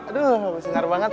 aduh bersinar banget